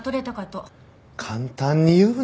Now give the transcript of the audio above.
簡単に言うな！